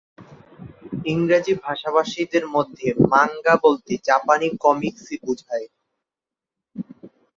ইংরেজি ভাষাভাষীদের মধ্যে "মাঙ্গা" বলতে "জাপানি কমিক্স"-ই বুঝায়।